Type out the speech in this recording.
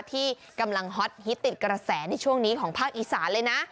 ที่กำลังฮอตฮิตติดกระแสในช่วงนี้ของภาคอีสานเลยนะ